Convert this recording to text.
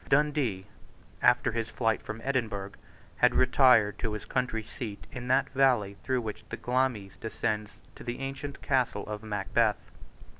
Dundee, after his flight from Edinburgh, had retired to his country seat in that valley through which the Glamis descends to the ancient castle of Macbeth.